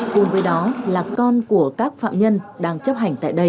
cùng với đó là con của các phạm nhân đang chấp hành tại đây